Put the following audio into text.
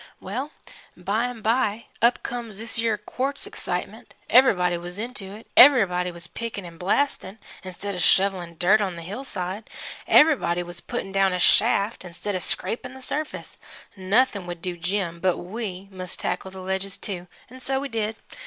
"Well, by an' by, up comes this yer quartz excitement. Everybody was into it everybody was pick'n' 'n' blast'n' instead of shovelin' dirt on the hillside everybody was putt'n' down a shaft instead of scrapin' the surface. Noth'n' would do Jim, but we must tackle the ledges, too, 'n' so we did.